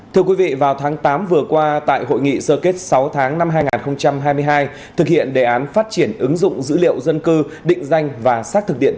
thưa quý vị vào tháng tám vừa qua tại hội nghị sơ kết sáu tháng năm hai nghìn hai mươi hai thực hiện đề án phát triển ứng dụng dữ liệu dân cư định danh và xác thực điện tử